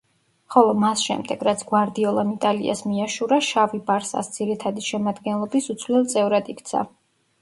ხოლო მას შემდეგ, რაც გვარდიოლამ იტალიას მიაშურა, შავი „ბარსას“ ძირითადი შემადგენლობის უცვლელ წევრად იქცა.